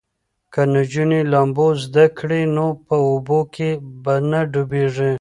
که نجونې لامبو زده کړي نو په اوبو کې به نه ډوبیږي.